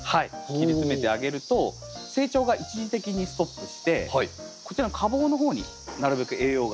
切り詰めてあげると成長が一時的にストップしてこっちの花房の方になるべく栄養が行くようになるんですね。